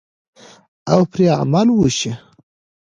او پرې عمل وشي.